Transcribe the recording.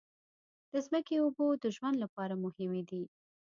د ځمکې اوبو د ژوند لپاره مهمې دي.